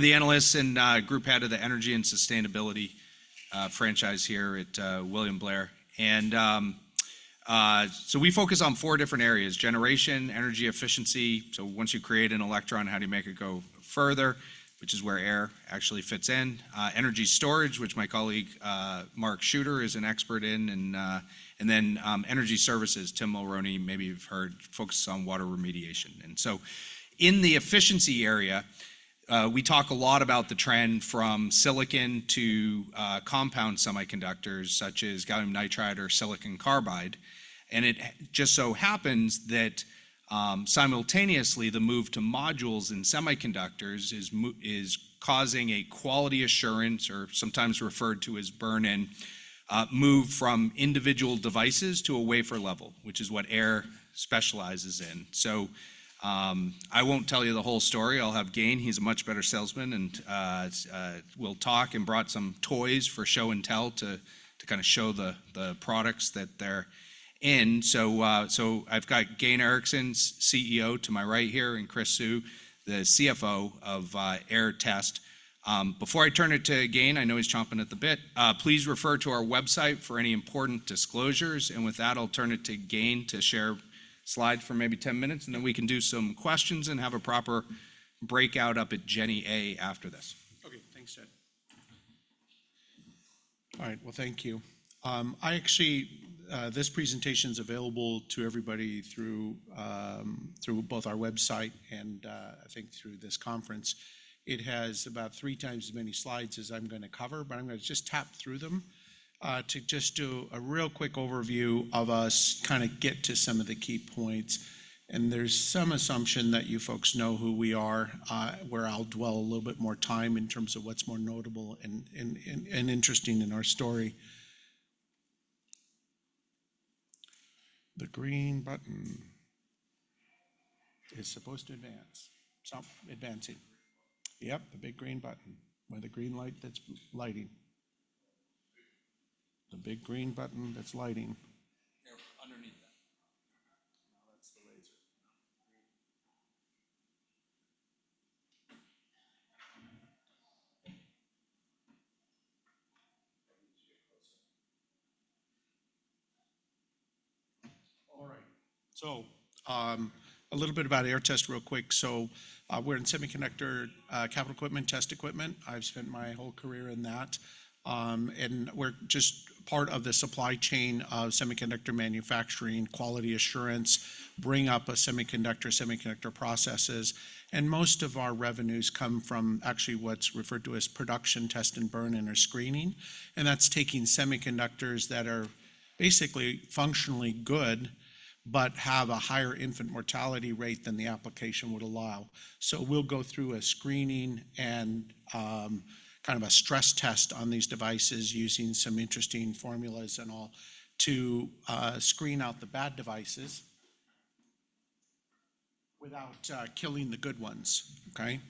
The analysts and, group head of the Energy and Sustainability franchise here at, William Blair. And, so we focus on four different areas: generation, energy efficiency, so once you create an electron, how do you make it go further? Which is where Aehr actually fits in. Energy storage, which my colleague, Mark Shooter, is an expert in, and then, energy services, Tim Mulrooney, maybe you've heard, focuses on water remediation. And so in the efficiency area, we talk a lot about the trend from silicon to, compound semiconductors, such as gallium nitride or silicon carbide. And it just so happens that, simultaneously, the move to modules in semiconductors is causing a quality assurance, or sometimes referred to as burn-in, move from individual devices to a wafer level, which is what Aehr specializes in. So, I won't tell you the whole story. I'll have Gayn. He's a much better salesman, and we'll talk and brought some toys for show and tell to kind of show the products that they're in. So, so I've got Gayn Erickson, CEO, to my right here, and Chris Siu, the CFO of Aehr Test. Before I turn it to Gayn, I know he's chomping at the bit, please refer to our website for any important disclosures. And with that, I'll turn it to Gayn to share slides for maybe 10 minutes, and then we can do some questions and have a proper breakout up at Jenner A after this. Okay, thanks, Jed. All right, well, thank you. I actually, this presentation's available to everybody through, through both our website and, I think through this conference. It has about three times as many slides as I'm gonna cover, but I'm gonna just tap through them, to just do a real quick overview of us, kind of get to some of the key points. And there's some assumption that you folks know who we are, where I'll dwell a little bit more time in terms of what's more notable and, and, and interesting in our story. The green button is supposed to advance. It's not advancing. The big green button. Yep, the big green button, or the green light that's lighting. The big- The big green button that's lighting. Yeah, underneath that. No, that's the laser. Maybe you should get closer. All right. So, a little bit about Aehr Test real quick. So, we're in semiconductor capital equipment, test equipment. I've spent my whole career in that. And we're just part of the supply chain of semiconductor manufacturing, quality assurance, bring up a semiconductor, semiconductor processes. And most of our revenues come from actually what's referred to as production test and burn-in or screening, and that's taking semiconductors that are basically functionally good, but have a higher infant mortality rate than the application would allow. So we'll go through a screening and kind of a stress test on these devices using some interesting formulas and all, to screen out the bad devices without killing the good ones. Okay?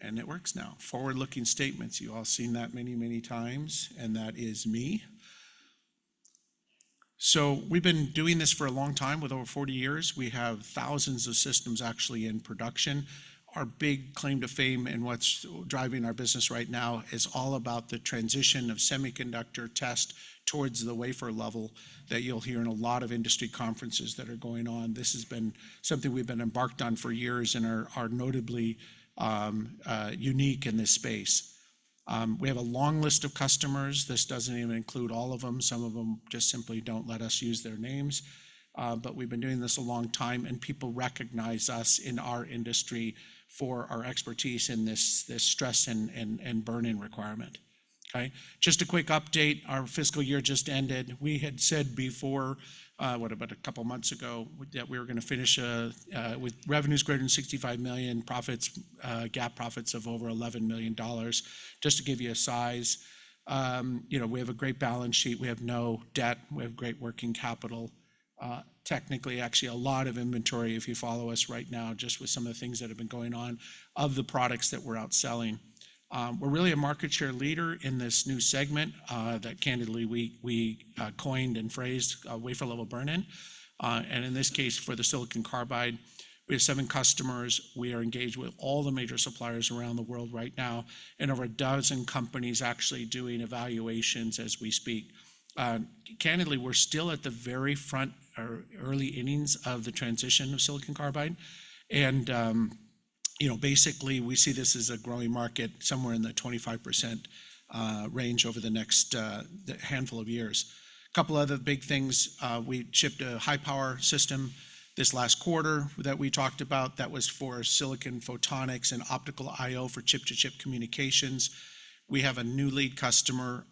And it works now. Forward-looking statements, you've all seen that many, many times, and that is me. So we've been doing this for a long time, with over 40 years. We have thousands of systems actually in production. Our big claim to fame and what's driving our business right now is all about the transition of semiconductor test towards the wafer level, that you'll hear in a lot of industry conferences that are going on. This has been something we've been embarked on for years and are notably unique in this space. We have a long list of customers. This doesn't even include all of them. Some of them just simply don't let us use their names. But we've been doing this a long time, and people recognize us in our industry for our expertise in this stress and burn-in requirement. Okay? Just a quick update. Our fiscal year just ended. We had said before, about a couple of months ago, that we were gonna finish with revenues greater than $65 million, profits, GAAP profits of over $11 million. Just to give you a size, you know, we have a great balance sheet. We have no debt. We have great working capital. Technically, actually a lot of inventory, if you follow us right now, just with some of the things that have been going on, of the products that we're out selling. We're really a market share leader in this new segment that candidly, we coined and phrased, wafer level burn-in. And in this case, for the silicon carbide, we have seven customers. We are engaged with all the major suppliers around the world right now, and over a dozen companies actually doing evaluations as we speak. Candidly, we're still at the very front or early innings of the transition of silicon carbide. You know, basically, we see this as a growing market, somewhere in the 25% range over the next handful of years. A couple other big things. We shipped a high-power system this last quarter that we talked about, that was for silicon photonics and optical I/O for chip-to-chip communications. We have a new lead customer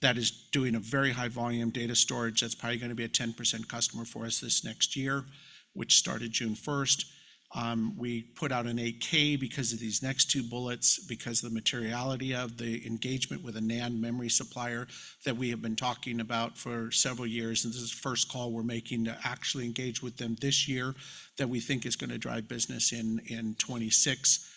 that is doing a very high volume data storage, that's probably gonna be a 10% customer for us this next year, which started June 1st. We put out an 8-K because of these next two bullets, because of the materiality of the engagement with a NAND memory supplier that we have been talking about for several years. And this is the first call we're making to actually engage with them this year, that we think is gonna drive business in, in 2026.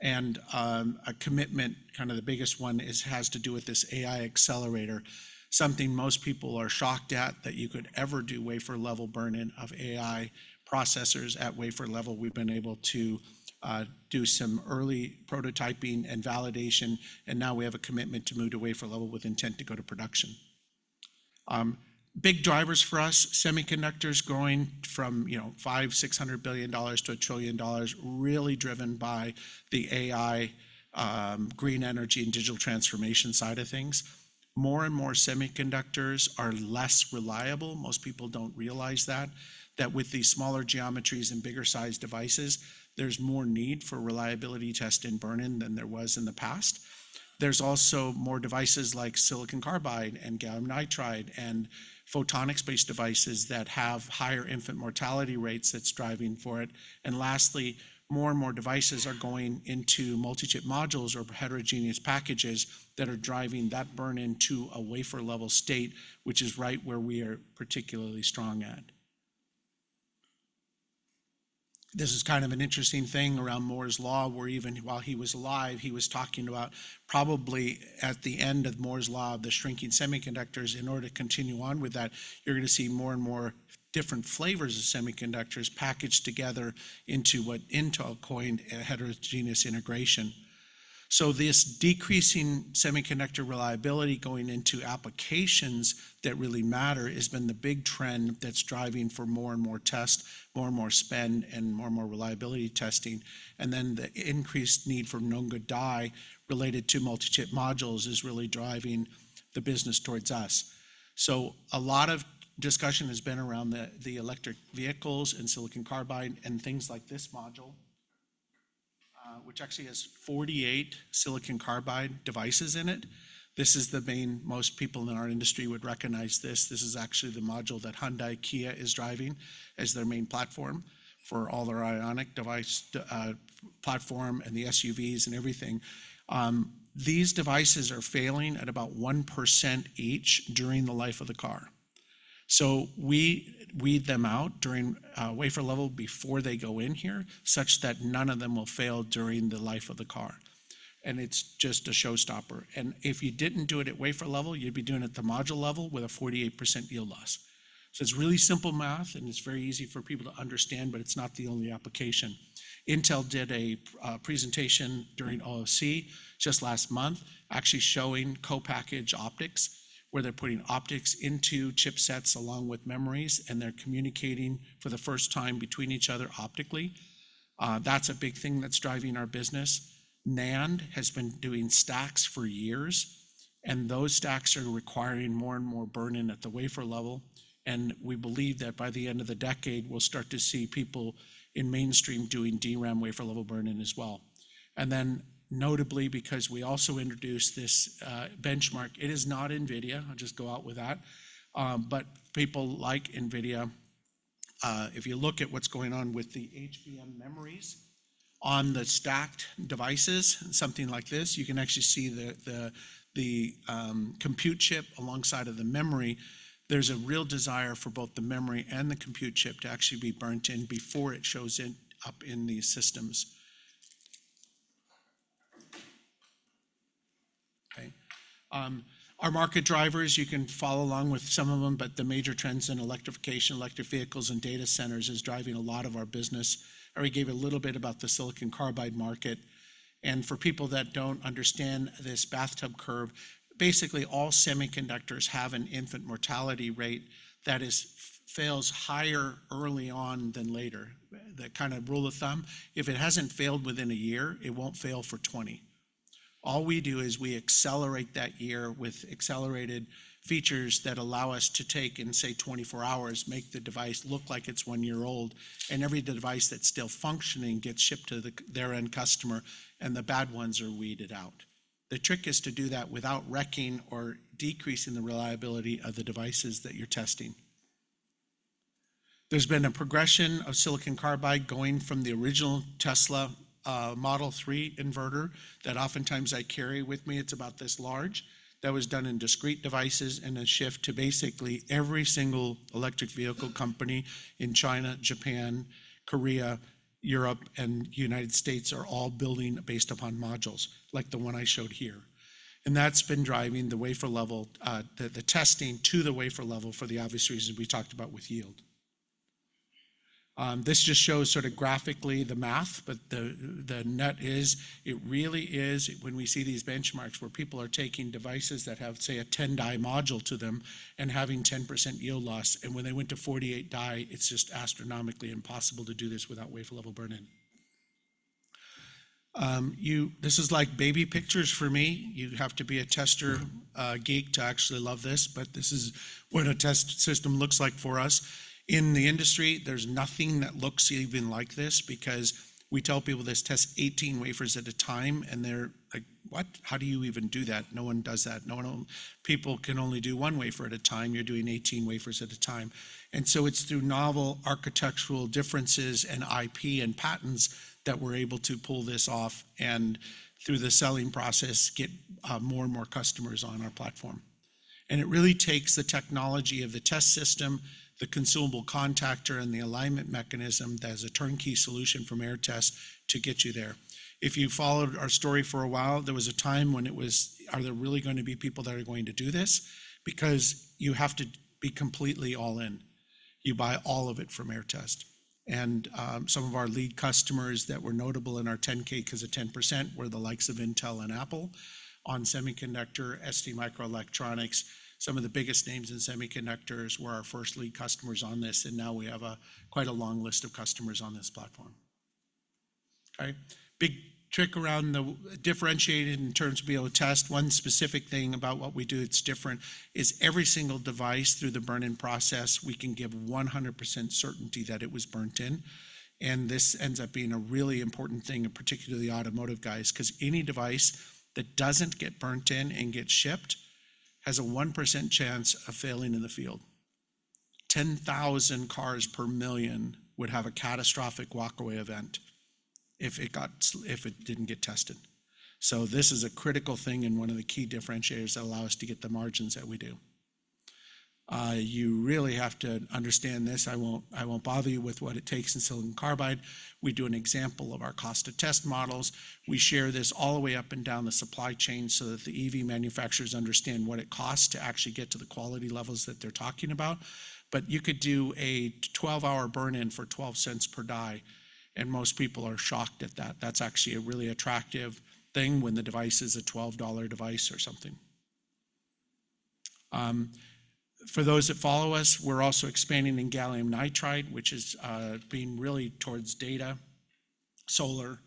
And, a commitment, kind of the biggest one, is- has to do with this AI accelerator. Something most people are shocked at, that you could ever do wafer level burn-in of AI processors at wafer level. We've been able to, do some early prototyping and validation, and now we have a commitment to move to wafer level with intent to go to production. Big drivers for us, semiconductors growing from, you know, $500 billion-$600 billion to $1 trillion, really driven by the AI, green energy, and digital transformation side of things. More and more semiconductors are less reliable. Most people don't realize that with these smaller geometries and bigger sized devices, there's more need for reliability test and burn-in than there was in the past. There's also more devices like silicon carbide and gallium nitride, and photonics-based devices that have higher infant mortality rates that's driving for it. And lastly, more and more devices are going into multi-chip modules or heterogeneous packages that are driving that burn-in to a wafer level state, which is right where we are particularly strong at. This is kind of an interesting thing around Moore's Law, where even while he was alive, he was talking about probably at the end of Moore's Law, the shrinking semiconductors, in order to continue on with that, you're gonna see more and more different flavors of semiconductors packaged together into what Intel coined a heterogeneous integration. So this decreasing semiconductor reliability going into applications that really matter has been the big trend that's driving for more and more test, more and more spend, and more and more reliability testing. And then the increased need for known good die related to multi-chip modules is really driving the business towards us. So a lot of discussion has been around the electric vehicles and silicon carbide, and things like this module, which actually has 48 silicon carbide devices in it. This is the main, most people in our industry would recognize this. This is actually the module that Hyundai-Kia is driving as their main platform for all their IONIQ device platform, and the SUVs, and everything. These devices are failing at about 1% each during the life of the car. So we weed them out during wafer level before they go in here, such that none of them will fail during the life of the car, and it's just a showstopper. And if you didn't do it at wafer level, you'd be doing it at the module level with a 48% yield loss. So it's really simple math, and it's very easy for people to understand, but it's not the only application. Intel did a presentation during OFC just last month, actually showing co-packaged optics, where they're putting optics into chipsets along with memories, and they're communicating for the first time between each other optically. That's a big thing that's driving our business. NAND has been doing stacks for years, and those stacks are requiring more and more burn-in at the wafer level, and we believe that by the end of the decade, we'll start to see people in mainstream doing DRAM wafer level burn-in as well. And then, notably, because we also introduced this benchmark, it is not NVIDIA. I'll just go out with that, but people like NVIDIA. If you look at what's going on with the HBM memories on the stacked devices, something like this, you can actually see the compute chip alongside of the memory. There's a real desire for both the memory and the compute chip to actually be burnt in before it shows up in these systems. Okay. Our market drivers, you can follow along with some of them, but the major trends in electrification, electric vehicles, and data centers is driving a lot of our business. I already gave a little bit about the silicon carbide market. For people that don't understand this bathtub curve, basically, all semiconductors have an infant mortality rate that is, fails higher early on than later. The kind of rule of thumb, if it hasn't failed within a year, it won't fail for 20. All we do is we accelerate that year with accelerated features that allow us to take, in, say, 24 hours, make the device look like it's one year old, and every device that's still functioning gets shipped to their end customer, and the bad ones are weeded out. The trick is to do that without wrecking or decreasing the reliability of the devices that you're testing. There's been a progression of silicon carbide going from the original Tesla Model 3 inverter that oftentimes I carry with me, it's about this large, that was done in discrete devices, and a shift to basically every single electric vehicle company in China, Japan, Korea, Europe, and United States are all building based upon modules, like the one I showed here. That's been driving the wafer level testing to the wafer level for the obvious reasons we talked about with yield. This just shows sort of graphically the math, but the, the nut is, it really is when we see these benchmarks where people are taking devices that have, say, a 10-die module to them and having 10% yield loss, and when they went to 48 die, it's just astronomically impossible to do this without wafer level burn-in. You-- This is like baby pictures for me. You'd have to be a tester, geek, to actually love this, but this is what a test system looks like for us. In the industry, there's nothing that looks even like this because we tell people this tests 18 wafers at a time, and they're like: "What? How do you even do that? No one does that. No one. People can only do 1 wafer at a time. You're doing 18 wafers at a time." And so it's through novel architectural differences, and IP, and patents that we're able to pull this off, and through the selling process, get more and more customers on our platform. And it really takes the technology of the test system, the consumable contactor, and the alignment mechanism that is a turnkey solution from Aehr Test to get you there. If you followed our story for a while, there was a time when it was, "Are there really gonna be people that are going to do this?" Because you have to be completely all in. You buy all of it from Aehr Test. And some of our lead customers that were notable in our 10-K, because of 10%, were the likes of Intel and Apple. ON Semiconductor, STMicroelectronics. Some of the biggest names in semiconductors were our first lead customers on this, and now we have a quite long list of customers on this platform. Okay. Big trick around the differentiated in terms of being able to test. One specific thing about what we do that's different is every single device through the burn-in process; we can give 100% certainty that it was burned in. And this ends up being a really important thing, and particularly to the automotive guys, 'cause any device that doesn't get burned in and gets shipped has a 1% chance of failing in the field. 10,000 cars per million would have a catastrophic walkaway event if it didn't get tested. So this is a critical thing and one of the key differentiators that allow us to get the margins that we do. You really have to understand this. I won't, I won't bother you with what it takes in silicon carbide. We do an example of our cost to test models. We share this all the way up and down the supply chain so that the EV manufacturers understand what it costs to actually get to the quality levels that they're talking about. But you could do a 12-hour burn-in for $0.12 per die, and most people are shocked at that. That's actually a really attractive thing when the device is a $12 device or something. For those that follow us, we're also expanding in gallium nitride, which is being really towards data, solar,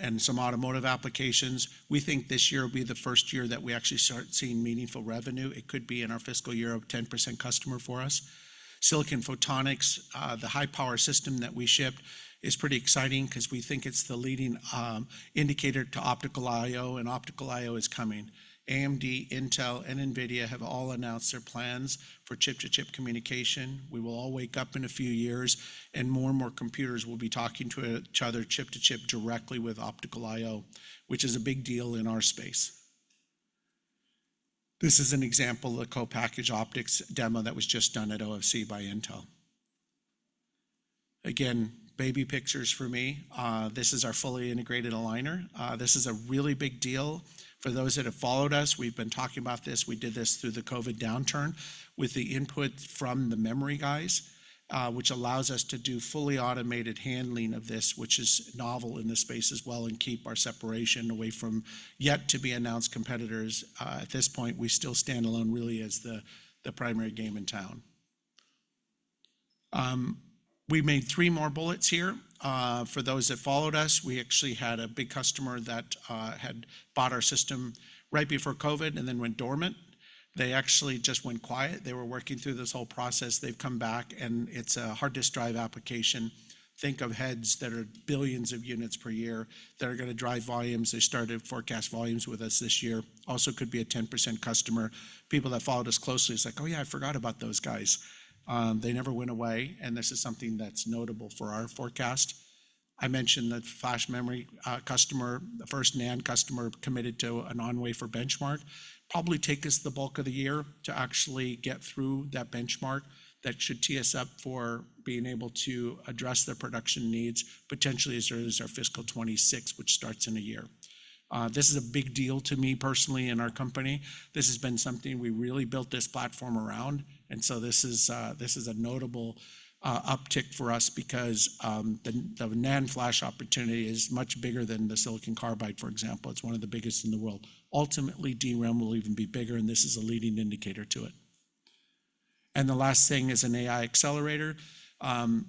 and some automotive applications. We think this year will be the first year that we actually start seeing meaningful revenue. It could be in our fiscal year, a 10% customer for us. Silicon photonics, the high-power system that we ship is pretty exciting 'cause we think it's the leading indicator to optical I/O, and optical I/O is coming. AMD, Intel, and NVIDIA have all announced their plans for chip-to-chip communication. We will all wake up in a few years, and more and more computers will be talking to each other chip-to-chip directly with optical I/O, which is a big deal in our space. This is an example of a co-packaged optics demo that was just done at OFC by Intel. Again, baby pictures for me. This is our fully integrated aligner. This is a really big deal for those that have followed us. We've been talking about this. We did this through the COVID downturn with the input from the memory guys, which allows us to do fully automated handling of this, which is novel in this space as well, and keep our separation away from yet to be announced competitors. At this point, we still stand alone, really, as the, the primary game in town. We made three more bullets here. For those that followed us, we actually had a big customer that had bought our system right before COVID and then went dormant. They actually just went quiet. They were working through this whole process. They've come back, and it's a hard disk drive application. Think of heads that are billions of units per year that are gonna drive volumes. They started forecast volumes with us this year. Also could be a 10% customer. People that followed us closely, it's like, "Oh, yeah, I forgot about those guys." They never went away, and this is something that's notable for our forecast. I mentioned the flash memory customer. The first NAND customer committed to an on-wafer benchmark. Probably take us the bulk of the year to actually get through that benchmark. That should tee us up for being able to address their production needs, potentially as early as our fiscal 26, which starts in a year. This is a big deal to me personally in our company. This has been something we really built this platform around, and so this is a notable uptick for us because the NAND flash opportunity is much bigger than the silicon carbide, for example. It's one of the biggest in the world. Ultimately, DRAM will even be bigger, and this is a leading indicator to it. The last thing is an AI accelerator. Actually,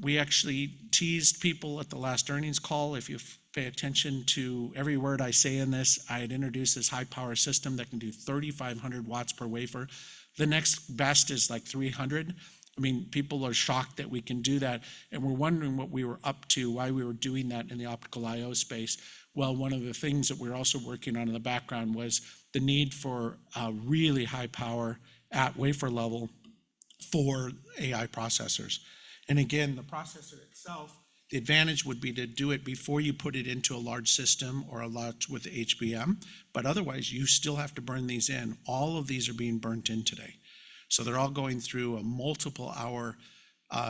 we teased people at the last earnings call. If you pay attention to every word I say in this, I had introduced this high-power system that can do 3,500 W per wafer. The next best is, like, 300. I mean, people are shocked that we can do that, and were wondering what we were up to, why we were doing that in the optical I/O space. Well, one of the things that we're also working on in the background was the need for a really high power at wafer level for AI processors. Again, the processor itself, the advantage would be to do it before you put it into a large system or a large with HBM. But otherwise, you still have to burn these in. All of these are being burned in today. So they're all going through a multiple-hour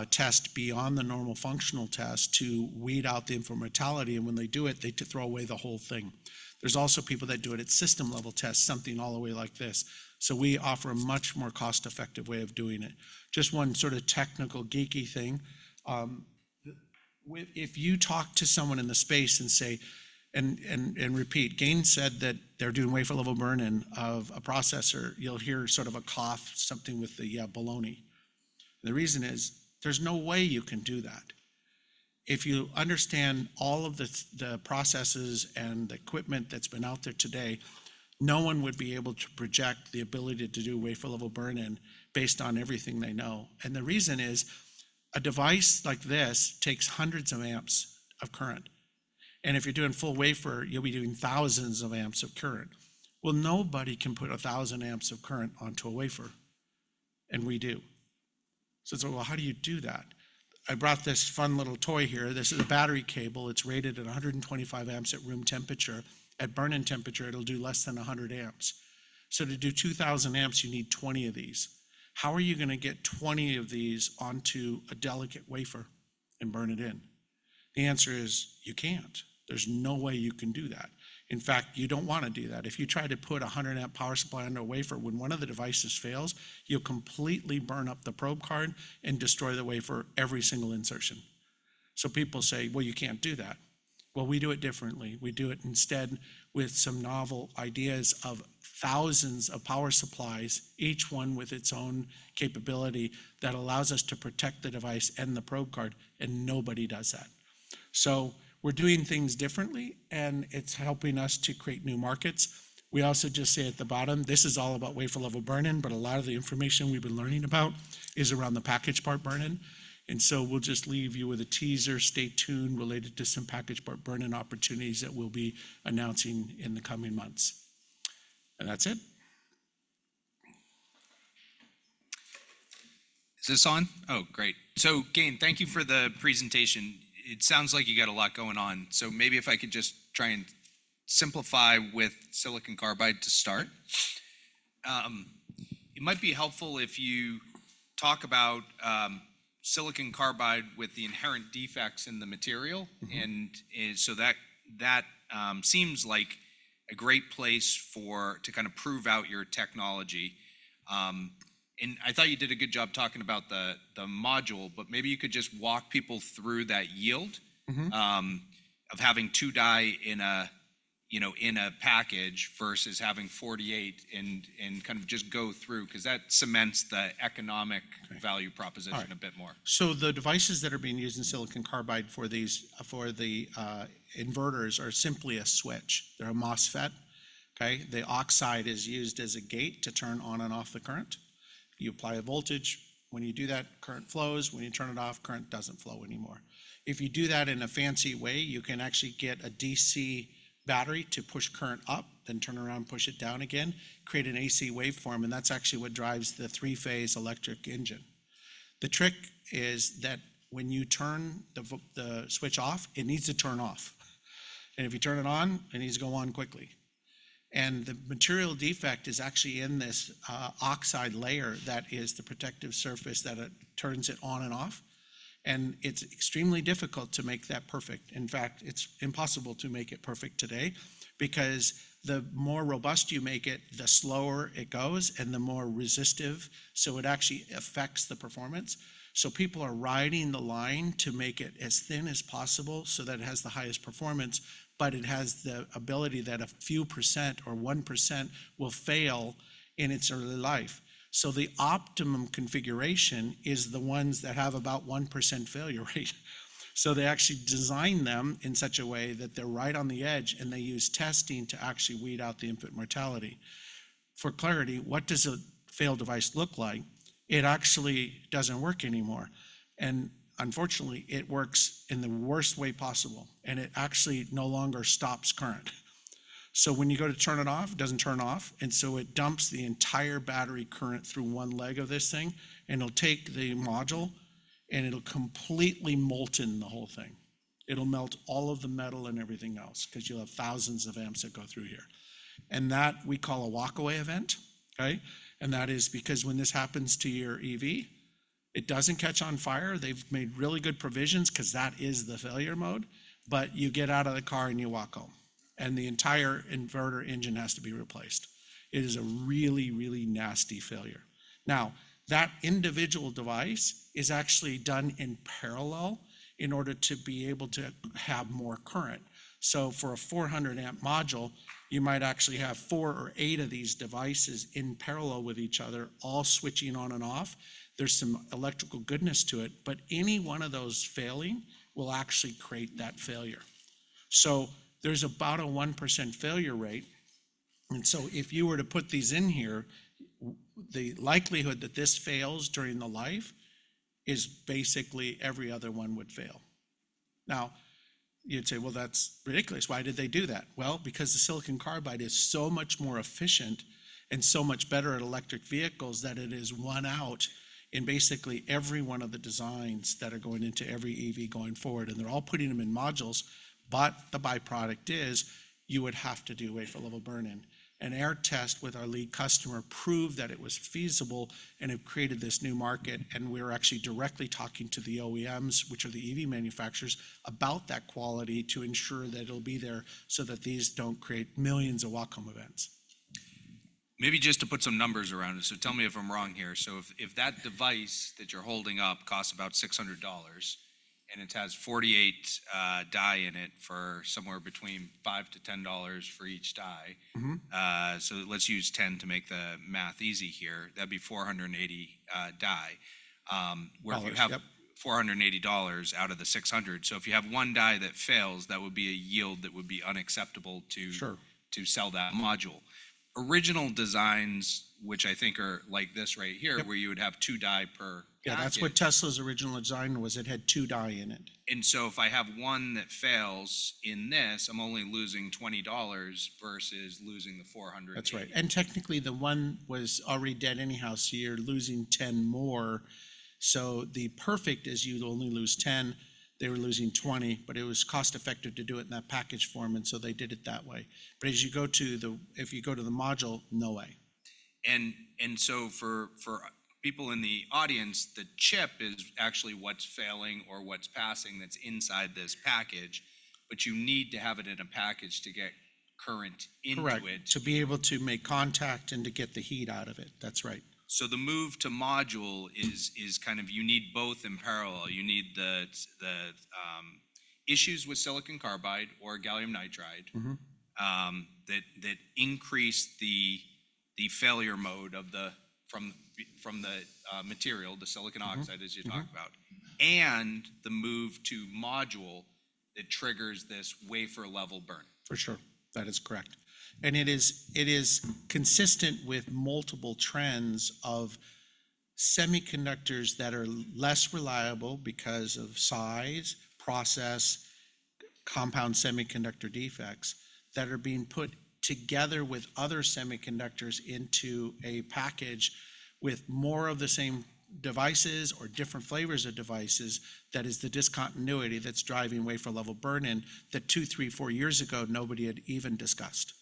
test beyond the normal functional test to weed out the infant mortality, and when they do it, they throw away the whole thing. There's also people that do it at system-level test, something all the way like this. So we offer a much more cost-effective way of doing it. Just one sort of technical, geeky thing. If you talk to someone in the space and say, and repeat, "Gayn said that they're doing wafer level burn-in of a processor," you'll hear sort of a cough, something with the baloney. The reason is, there's no way you can do that. If you understand all of the the processes and the equipment that's been out there today, no one would be able to project the ability to do wafer level burn-in based on everything they know. And the reason is, a device like this takes hundreds of amps of current, and if you're doing full wafer, you'll be doing thousands of amps of current. Well, nobody can put 1,000 amps of current onto a wafer, and we do. So it's like, well, how do you do that? I brought this fun little toy here. This is a battery cable. It's rated at 125 amps at room temperature. At burn-in temperature, it'll do less than 100 amps. So to do 2,000 amps, you need 20 of these. How are you gonna get 20 of these onto a delicate wafer and burn it in? The answer is, you can't. There's no way you can do that. In fact, you don't wanna do that. If you try to put a 100-amp power supply on a wafer, when one of the devices fails, you'll completely burn up the probe card and destroy the wafer every single insertion. So people say, "Well, you can't do that." Well, we do it differently. We do it instead with some novel ideas of thousands of power supplies, each one with its own capability, that allows us to protect the device and the probe card, and nobody does that. So we're doing things differently, and it's helping us to create new markets. We also just say at the bottom, this is all about wafer level burn-in, but a lot of the information we've been learning about is around the package part burn-in, and so we'll just leave you with a teaser, stay tuned, related to some package part burn-in opportunities that we'll be announcing in the coming months. That's it. Is this on? Oh, great. So Gayn, thank you for the presentation. It sounds like you got a lot going on, so maybe if I could just try and simplify with silicon carbide to start. It might be helpful if you talk about silicon carbide with the inherent defects in the material. Mm-hmm. That seems like a great place for to kind of prove out your technology. And I thought you did a good job talking about the module, but maybe you could just walk people through that yield- Mm-hmm of having two die in a, you know, in a package versus having 48, and, and kind of just go through, 'cause that cements the economic- Right value proposition a bit more. All right. So the devices that are being used in silicon carbide for these, for the inverters, are simply a switch. They're a MOSFET, okay? The oxide is used as a gate to turn on and off the current. You apply a voltage, when you do that, current flows. When you turn it off, current doesn't flow anymore. If you do that in a fancy way, you can actually get a DC battery to push current up, then turn around and push it down again, create an AC waveform, and that's actually what drives the three-phase electric engine. The trick is that when you turn the switch off, it needs to turn off, and if you turn it on, it needs to go on quickly. The material defect is actually in this oxide layer that is the protective surface that it turns it on and off, and it's extremely difficult to make that perfect. In fact, it's impossible to make it perfect today, because the more robust you make it, the slower it goes and the more resistive, so it actually affects the performance. So people are riding the line to make it as thin as possible so that it has the highest performance, but it has the ability that a few percent or 1% will fail in its early life. So the optimum configuration is the ones that have about 1% failure rate. So they actually design them in such a way that they're right on the edge, and they use testing to actually weed out the infant mortality. For clarity, what does a failed device look like? It actually doesn't work anymore, and unfortunately, it works in the worst way possible, and it actually no longer stops current. So when you go to turn it off, it doesn't turn off, and so it dumps the entire battery current through one leg of this thing, and it'll take the module, and it'll completely molten the whole thing. It'll melt all of the metal and everything else, 'cause you'll have thousands of amps that go through here. And that we call a walkaway event, okay? And that is because when this happens to your EV, it doesn't catch on fire. They've made really good provisions, 'cause that is the failure mode, but you get out of the car, and you walk home, and the entire inverter engine has to be replaced. It is a really, really nasty failure. Now, that individual device is actually done in parallel in order to be able to have more current. So for a 400-amp module, you might actually have 4 or 8 of these devices in parallel with each other, all switching on and off. There's some electrical goodness to it, but any one of those failing will actually create that failure. So there's about a 1% failure rate, and so if you were to put these in here, the likelihood that this fails during the life is basically every other one would fail. Now, you'd say, "Well, that's ridiculous. Why did they do that?" Well, because the silicon carbide is so much more efficient and so much better at electric vehicles, that it is won out in basically every one of the designs that are going into every EV going forward, and they're all putting them in modules. But the by-product is, you would have to do wafer level burn-in. Our test with our lead customer proved that it was feasible and it created this new market, and we're actually directly talking to the OEMs, which are the EV manufacturers, about that quality to ensure that it'll be there, so that these don't create millions of walk-home events. Maybe just to put some numbers around it, so tell me if I'm wrong here: So if, if that device that you're holding up costs about $600, and it has 48 die in it for somewhere between $5-$10 for each die- Mm-hmm so let's use 10 to make the math easy here. That'd be 480, die, Dollars, yep where you have $480 out of the $600. So if you have one die that fails, that would be a yield that would be unacceptable to- Sure to sell that module. Original designs, which I think are like this right here- Yep where you would have two die per package. Yeah, that's what Tesla's original design was. It had two die in it. If I have one that fails in this, I'm only losing $20 versus losing the $400. That's right. And technically, the one was already dead anyhow, so you're losing 10 more. So the perfect is you'd only lose 10, they were losing 20, but it was cost-effective to do it in that package form, and so they did it that way. But as you go to the if you go to the module, no way. So for people in the audience, the chip is actually what's failing or what's passing that's inside this package, but you need to have it in a package to get current into it. Correct, to be able to make contact and to get the heat out of it. That's right. So the move to module is kind of you need both in parallel. You need the issues with silicon carbide or gallium nitride- Mm-hmm. that increase the failure mode of the material, the silicon oxide- Mm-hmm. as you talk about, and the move to module that triggers this wafer level burn. For sure. That is correct. It is, it is consistent with multiple trends of semiconductors that are less reliable because of size, process, compound semiconductor defects, that are being put together with other semiconductors into a package with more of the same devices or different flavors of devices. That is the discontinuity that's driving wafer level burn-in that 2, 3, 4 years ago, nobody had even discussed.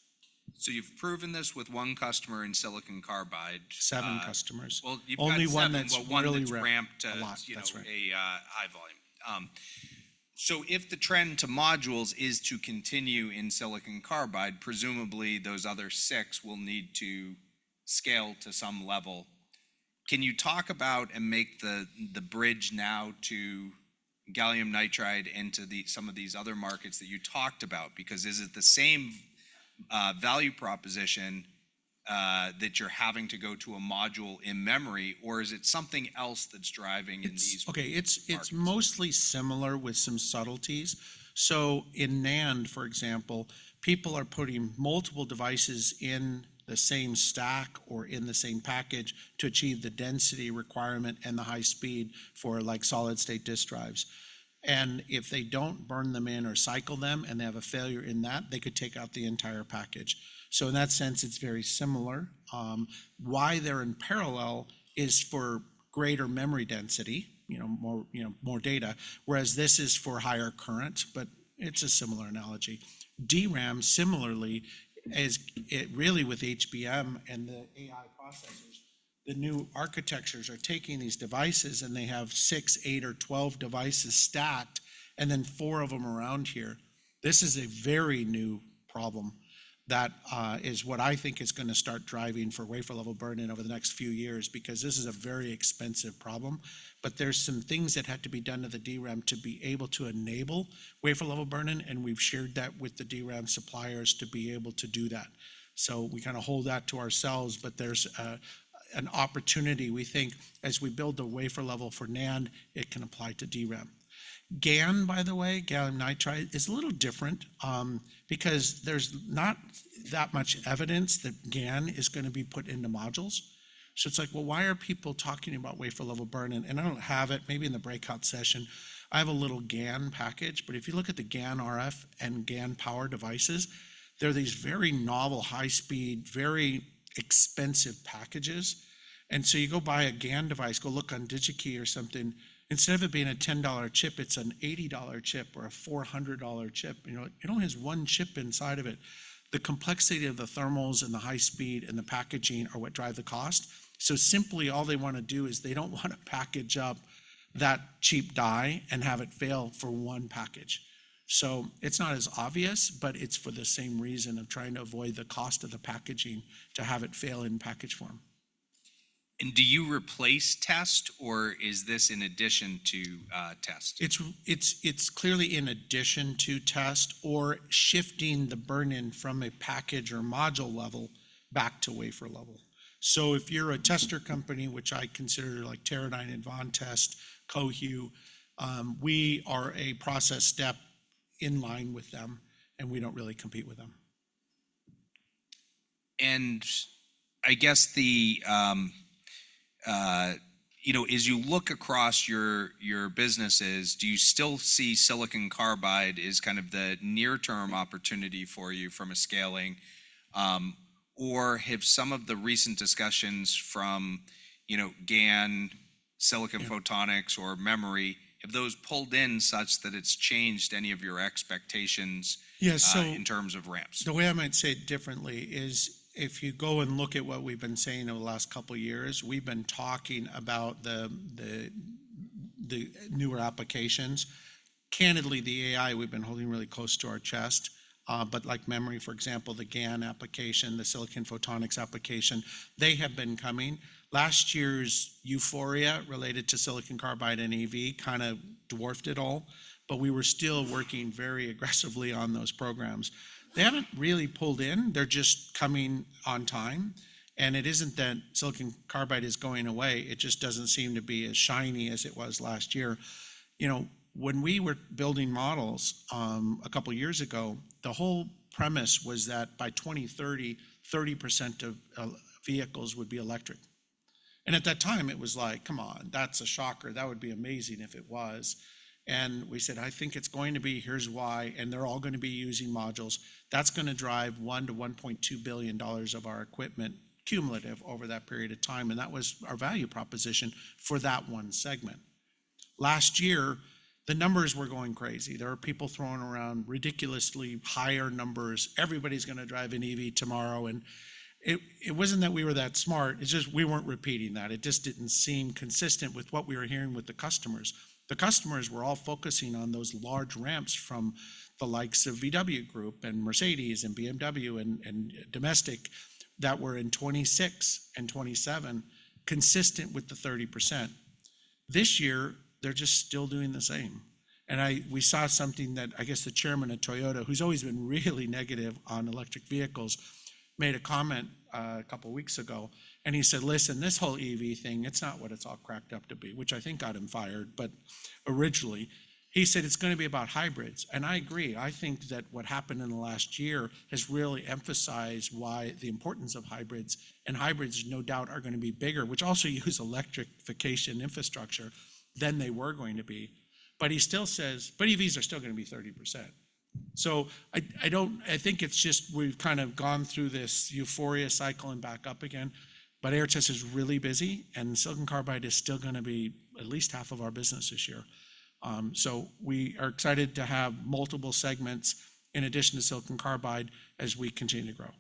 You've proven this with one customer in silicon carbide. Seven customers. Well, you've got seven- Only one that's really ramped. but one that's ramped to, you know- That's right. a high volume. So if the trend to modules is to continue in silicon carbide, presumably those other six will need to scale to some level. Can you talk about and make the bridge now to gallium nitride into some of these other markets that you talked about? Because is it the same value proposition that you're having to go to a module in memory, or is it something else that's driving in these- It's mostly similar with some subtleties. So in NAND, for example, people are putting multiple devices in the same stack or in the same package to achieve the density requirement and the high speed for, like, solid-state disk drives. And if they don't burn them in or cycle them, and they have a failure in that, they could take out the entire package. So in that sense, it's very similar. Why they're in parallel is for greater memory density, you know, more, you know, more data, whereas this is for higher current, but it's a similar analogy. DRAM, similarly, is, it really with HBM and the AI processors, the new architectures are taking these devices, and they have 6, 8, or 12 devices stacked, and then four of them around here. This is a very new problem that is what I think is gonna start driving for wafer level burn-in over the next few years, because this is a very expensive problem. But there's some things that have to be done to the DRAM to be able to enable wafer level burn-in, and we've shared that with the DRAM suppliers to be able to do that. So we kind of hold that to ourselves, but there's an opportunity, we think, as we build the wafer level for NAND, it can apply to DRAM. GaN, by the way, gallium nitride, is a little different, because there's not that much evidence that GaN is gonna be put into modules. So it's like, well, why are people talking about wafer level burn-in? And I don't have it. Maybe in the breakout session, I have a little GaN package, but if you look at the GaN RF and GaN power devices, they're these very novel, high-speed, very expensive packages. And so you go buy a GaN device, go look on DigiKey or something. Instead of it being a $10 chip, it's an $80 chip or a $400 chip. You know, it only has one chip inside of it. The complexity of the thermals and the high speed and the packaging are what drive the cost. So simply, all they wanna do is they don't want to package up that cheap die and have it fail for one package. So it's not as obvious, but it's for the same reason of trying to avoid the cost of the packaging to have it fail in package form. Do you replace test, or is this in addition to test? It's clearly in addition to test or shifting the burn-in from a package or module level back to wafer level. So if you're a tester company, which I consider, like, Teradyne and Advantest, Cohu, we are a process step in line with them, and we don't really compete with them. I guess, you know, as you look across your, your businesses, do you still see silicon carbide as kind of the near-term opportunity for you from a scaling, or have some of the recent discussions from, you know, GaN, silicon photonics? Yeah. or memory, have those pulled in such that it's changed any of your expectations? Yeah, so- in terms of ramps? The way I might say it differently is, if you go and look at what we've been saying over the last couple of years, we've been talking about the newer applications. Candidly, the AI we've been holding really close to our chest, but like memory, for example, the GaN application, the silicon photonics application, they have been coming. Last year's euphoria related to silicon carbide and EV kind of dwarfed it all, but we were still working very aggressively on those programs. They haven't really pulled in; they're just coming on time. And it isn't that silicon carbide is going away, it just doesn't seem to be as shiny as it was last year. You know, when we were building models, a couple of years ago, the whole premise was that by 2030, 30% of vehicles would be electric. And at that time, it was like, "Come on, that's a shocker. That would be amazing if it was." And we said: "I think it's going to be, here's why, and they're all gonna be using modules. That's gonna drive $1 billion-$1.2 billion of our equipment cumulative over that period of time." And that was our value proposition for that one segment. Last year, the numbers were going crazy. There were people throwing around ridiculously higher numbers. Everybody's gonna drive an EV tomorrow, and it, it wasn't that we were that smart, it's just we weren't repeating that. It just didn't seem consistent with what we were hearing with the customers. The customers were all focusing on those large ramps from the likes of VW Group and Mercedes and BMW and, and domestic, that were in 2026 and 2027, consistent with the 30%. This year, they're just still doing the same. And we saw something that I guess the chairman of Toyota, who's always been really negative on electric vehicles, made a comment a couple of weeks ago, and he said: "Listen, this whole EV thing, it's not what it's all cracked up to be," which I think got him fired, but originally, he said, "It's gonna be about hybrids." And I agree. I think that what happened in the last year has really emphasized why the importance of hybrids, and hybrids, no doubt, are gonna be bigger, which also use electrification infrastructure, than they were going to be. But he still says but EVs are still gonna be 30%. So I don't think it's just we've kind of gone through this euphoria cycle and back up again, but Aehr Test is really busy, and silicon carbide is still gonna be at least half of our business this year. So we are excited to have multiple segments in addition to silicon carbide as we continue to grow.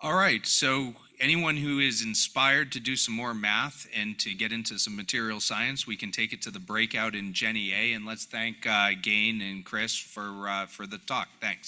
All right, so anyone who is inspired to do some more math and to get into some material science, we can take it to the breakout in Jenner A, and let's thank Gayn and Chris for the talk. Thanks.